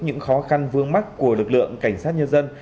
những khó khăn vương mắc của lực lượng cảnh sát nhân dân